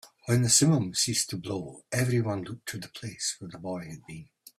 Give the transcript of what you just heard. When the simum ceased to blow, everyone looked to the place where the boy had been.